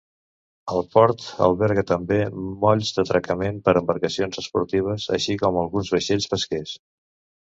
El port alberga també, molls d'atracament per a embarcacions esportives, així com alguns vaixells pesquers.